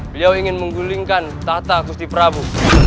beliau ingin menggulingkan tahta kusti prabu